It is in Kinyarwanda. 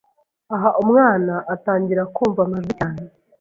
Aha umwana atangira kumva amajwi cyane